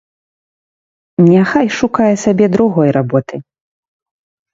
Няхай шукае сабе другой работы.